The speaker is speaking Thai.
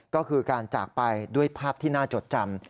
ก็คือการจากไปด้วยภาพที่น่าจดจำ